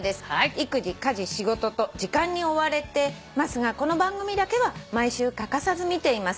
「育児家事仕事と時間に追われてますがこの番組だけは毎週欠かさず見ています」